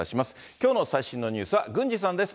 きょうの最新のニュースは郡司さんです。